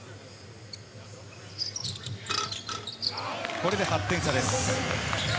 これで８点差です。